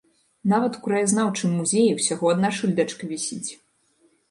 Нават у краязнаўчым музеі ўсяго адна шыльдачка вісіць.